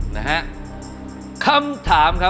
นะฮะ